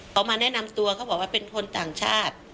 เขามาแนะนำตัวเขาบอกว่าเป็นคนต่างชาติ